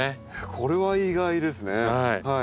これは意外ですね。